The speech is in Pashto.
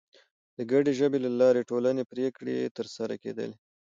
د ګډې ژبې له لارې د ټولنې پرېکړې تر سره کېدلې.